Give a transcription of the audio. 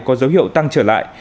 có dấu hiệu tăng trở lại